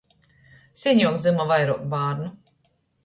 Seņuok dzyma vairuok bārnu.